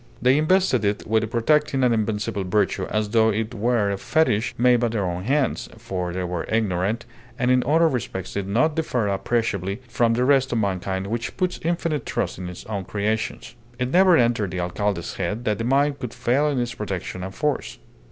They invested it with a protecting and invincible virtue as though it were a fetish made by their own hands, for they were ignorant, and in other respects did not differ appreciably from the rest of mankind which puts infinite trust in its own creations. It never entered the alcalde's head that the mine could fail in its protection and force.